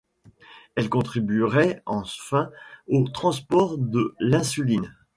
Elle contribuerait enfin au transport de l'insuline.